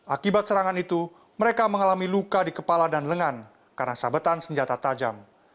akibat serangan itu mereka mengalami luka di kepala dan lengan karena sabetan senjata tajam